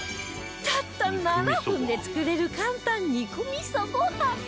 たった７分で作れる簡単肉味ご飯